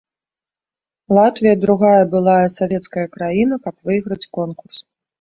Латвія другая былая савецкая краіна, каб выйграць конкурс.